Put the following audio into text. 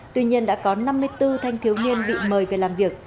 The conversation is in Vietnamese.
tuy nhiên đã có năm mươi bốn thanh thiếu niên bị mời về làm việc